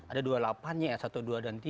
ada dua puluh delapan nya ya satu dua dan tiga